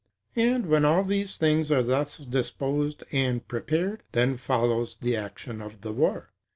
And when all these things are thus disposed and prepared, then follows the action of the war.